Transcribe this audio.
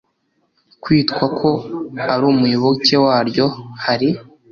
kwitwa ko ari umuyoboke waryo hari